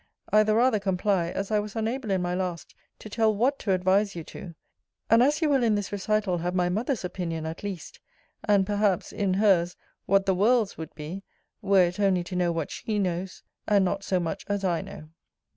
I the rather comply, as I was unable in my last to tell what to advise you to; and as you will in this recital have my mother's opinion at least, and, perhaps, in hers what the world's would be, were it only to know what she knows, and not so much as I know.